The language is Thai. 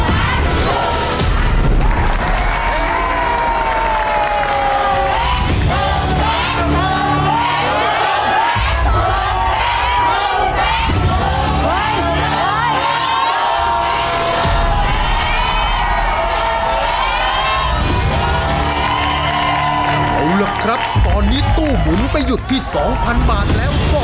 เอาล่ะครับตอนนี้ตู้หมุนไปหยุดที่๒๐๐๐บาทแล้วก็